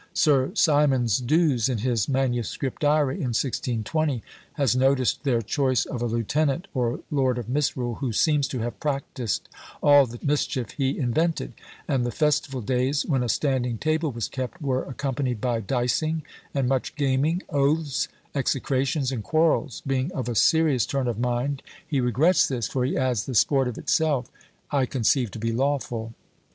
Sir Symonds D'Ewes, in his MS. diary in 1620, has noticed their choice of a lieutenant, or lord of misrule, who seems to have practised all the mischief he invented; and the festival days, when "a standing table was kept," were accompanied by dicing, and much gaming, oaths, execrations, and quarrels: being of a serious turn of mind, he regrets this, for he adds, "the sport, of itself, I conceive to be lawful."